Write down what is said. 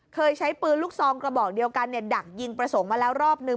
เคยใช้ปืนลูกซองกระบอกเดียวกันดักยิงประสงค์มาแล้วรอบนึง